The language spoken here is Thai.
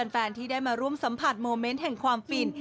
แฟนที่ได้มาร่วมสัมผัสโมเมนต์แห่งความฟิน